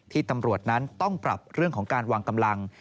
ตำรวจนั้นต้องปรับเรื่องของการวางกำลัง